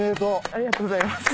ありがとうございます。